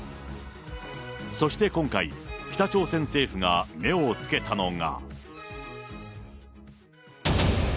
そして今回、北朝鮮政府が目をつけたのが。